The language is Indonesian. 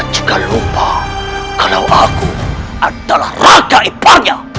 jangan lupa kalau aku adalah raka iparnya